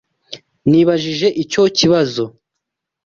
Nibajije icyo kibazo.